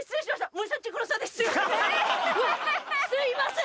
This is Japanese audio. すみません！